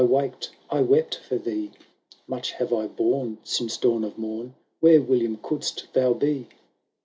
— 1 waked, I wept for thee :— Much have I borne since dawn of morn ; Where, William, couldst thou be